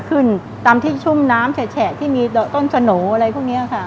ขึ้นตามที่ชุ่มน้ำแฉะที่มีต้นสโหน่อะไรพวกนี้ค่ะ